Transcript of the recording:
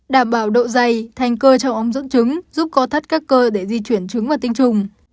đảm bảo độ dày thành cơ trong ống dẫn trứng giúp co thắt các cơ để di chuyển trứng và tinh trùng